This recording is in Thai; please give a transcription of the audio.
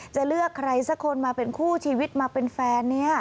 จะเลือกใครสักคนมาเป็นคู่ชีวิตมาเป็นแฟนเนี่ย